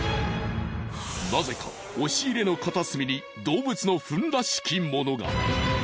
なぜか押し入れの片隅に動物のフンらしきものが。